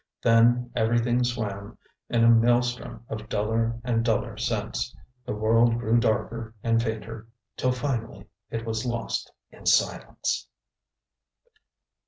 Then everything swam in a maelstrom of duller and duller sense, the world grew darker and fainter, till finally it was lost in silence.